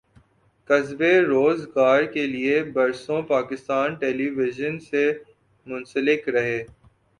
کسبِ روزگارکے لیے برسوں پاکستان ٹیلی وژن سے منسلک رہے